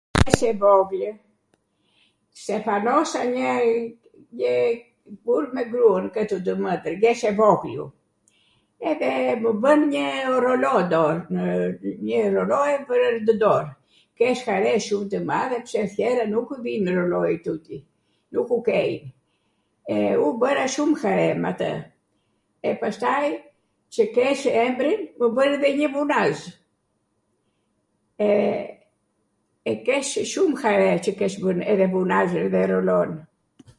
kur jesh e vogwl, stefanosa njw njw burr me gruan, ketu ndw Mwndwr, jesh e vogwl u, edhe mw bwn njw oroloi dor, njw roloi nw dor, kesh hare shum tw madhe, pse athere nuk vin roloi tuti, nuku kej, e u bwra shum hare m' atw, e pastaj qw keshw embrin mw benw edhe njw unaz, e, e kesh shum hare qw kesh vwn edhe unazw edhe roloi